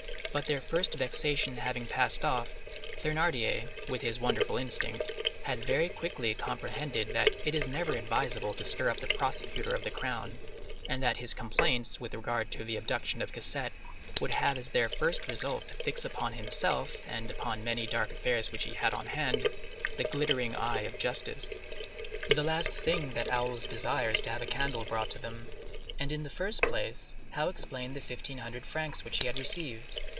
But their first vexation having passed off, Thénardier, with his wonderful instinct, had very quickly comprehended that it is never advisable to stir up the prosecutor of the Crown, and that his complaints with regard to the abduction of Cosette would have as their first result to fix upon himself, and upon many dark affairs which he had on hand, the glittering eye of justice. The last thing that owls desire is to have a candle brought to them. And in the first place, how explain the fifteen hundred francs which he had received?